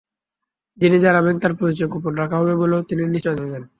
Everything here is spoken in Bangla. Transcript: যিনি জানাবেন, তাঁর পরিচয় গোপন রাখা হবে বলেও তিনি নিশ্চয়তা দেন।